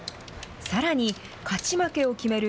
さらに、勝ち負けを決める